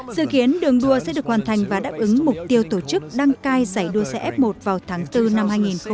dự kiến đường đua sẽ được hoàn thành và đáp ứng mục tiêu tổ chức đăng cai giải đua xe f một vào tháng bốn năm hai nghìn hai mươi